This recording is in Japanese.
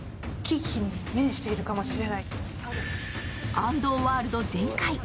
安藤ワールド全開。